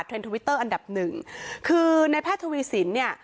ทวิตเตอร์อันดับหนึ่งคือในแพทย์ทวีสินเนี่ย